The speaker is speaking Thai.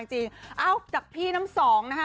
เอ้าจากพี่น้ำสองนะคะ